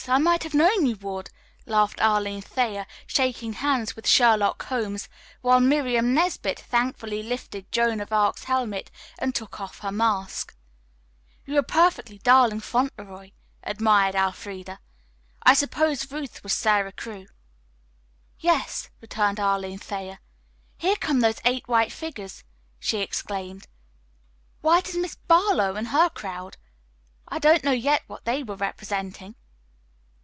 I might have known you would," laughed Arline Thayer, shaking hands with "Sherlock Holmes," while Miriam Nesbit thankfully lifted "Joan of Arc's" helmet and took off her mask. "You're a perfectly darling 'Fauntleroy,'" admired Elfreda. "I suppose Ruth was 'Sara Crewe.'" "Yes," returned Arline Thayer. "Here come those eight white figures!" she exclaimed. "Why, it is Miss Barlowe and her crowd. I don't know yet what they were representing."